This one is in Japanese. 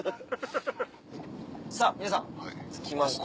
さぁ皆さん着きました。